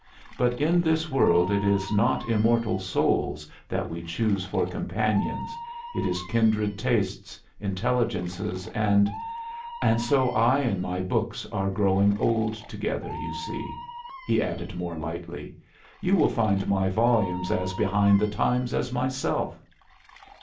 But in this world it is not immortal souls that we choose for companions; it is kindred tastes, intelligences, and and so I and my books are growing old together, you see," he added, more lightly. "You will find my volumes as behind the times as myself."